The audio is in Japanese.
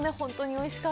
おいしい！